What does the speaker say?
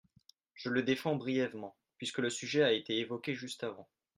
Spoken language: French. Je le défends brièvement, puisque le sujet a été évoqué juste avant.